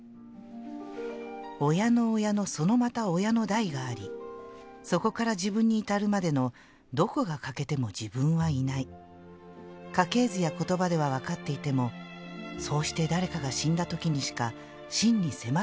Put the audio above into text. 「親の親のそのまた親の代があり、そこから自分に至るまでのどこが欠けても自分はいない家系図や言葉ではわかっていても、そうして誰かが死んだ時にしか真に迫ってこない。